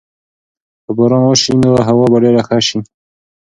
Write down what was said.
که باران وسي نو هوا به ډېره ښه سي.